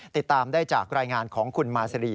ติดตามได้จากรายงานของคุณมาซีรี